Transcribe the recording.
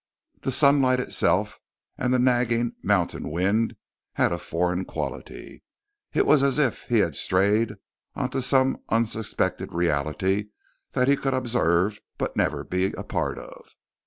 The sunlight itself and the nagging mountain wind had a foreign quality. It was as if he had strayed onto some unsuspected reality that he could observe but never be a part of.